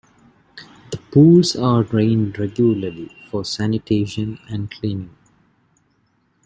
The pools are drained regularly for sanitation and cleaning.